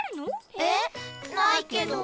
えっないけど。